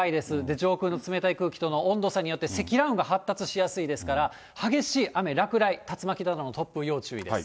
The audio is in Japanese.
上空の冷たい空気との温度差によって積乱雲が発達しやすいですから、激しい雨、落雷、竜巻などの突風、要注意です。